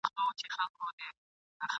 څوک ئې سرښندنه ستایي؟